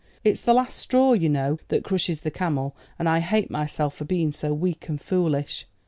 It's the last straw, you know, that crushes the camel; and I hate myself for being so weak and foolish."